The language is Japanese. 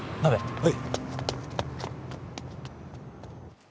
はい。